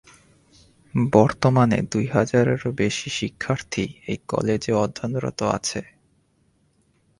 বর্তমানে দুই হাজারেরও বেশি শিক্ষার্থী এ কলেজে অধ্যয়নরত আছে।